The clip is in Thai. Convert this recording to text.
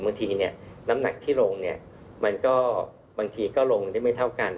บางทีน้ำหนักที่ลงมันก็บางทีก็ลงได้ไม่เท่ากัน